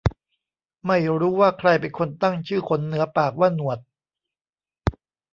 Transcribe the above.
ไม่รู้ว่าใครเป็นคนตั้งชื่อขนเหนือปากว่าหนวด